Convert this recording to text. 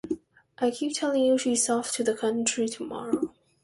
I keep telling you she's off to the country tomorrow.